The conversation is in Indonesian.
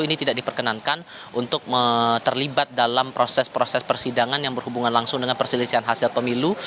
ini tidak diperkenankan untuk terlibat dalam proses proses persidangan yang berhubungan langsung dengan perselisihan hasil pemilu